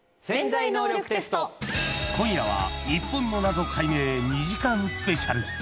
今夜は日本の謎解明２時間スペシャル。